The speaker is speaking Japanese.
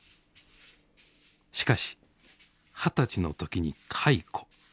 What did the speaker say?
しかし二十歳の時に解雇。